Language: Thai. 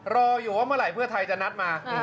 รออยู่ว่าเมื่อไหร่เพื่อไทยจะนัดมา